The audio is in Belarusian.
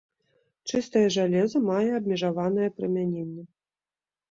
Чыстае жалеза мае абмежаванае прымяненне.